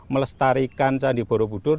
melestarikan candi borobudur